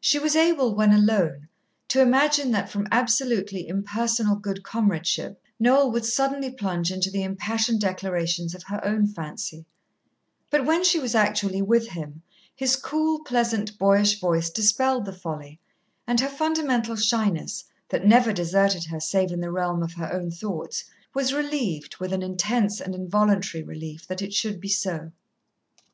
She was able, when alone, to imagine that from absolutely impersonal good comradeship, Noel would suddenly plunge into the impassioned declarations of her own fancy, but when she was actually with him, his cool, pleasant, boyish voice dispelled the folly, and her fundamental shyness, that never deserted her save in the realm of her own thoughts, was relieved, with an intense and involuntary relief, that it should be so.